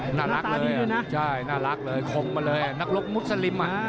หน้าตาดีด้วยนะน่ารักเลยคมมาเลยนักรกมุสลิม